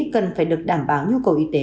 cần phải được đảm báo nhu cầu y tế